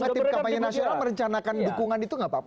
mereka merencanakan dukungan itu gak pak